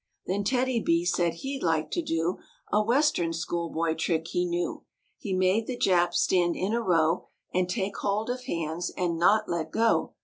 Then TEDDY B said he'd like to do A Western schoolboy trick he knew. He made the Japs stand in a row And take hold of hands and not let go.